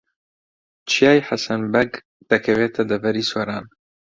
چیای حەسەن بەگ دەکەوێتە دەڤەری سۆران.